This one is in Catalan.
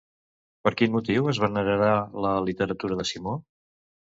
Per quin motiu es venerarà la literatura de Simó?